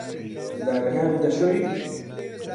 ددانەکانت دەشۆی؟